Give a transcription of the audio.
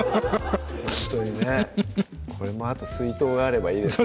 ほんとにねこれもあと水筒があればいいですね